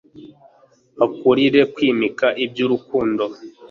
bakurire kwimika iby'urukundo